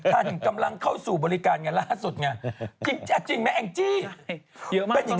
ท่านยังกำลังเข้าสู่บริการมาล่าสุดจริงอันจริงไหมแอ่งจี้